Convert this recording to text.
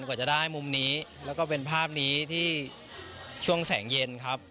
กว่าจะได้มุมนี้แล้วก็เป็นภาพนี้ที่ช่วงแสงเย็นครับ